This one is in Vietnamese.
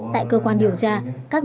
tại cơ quan điều tra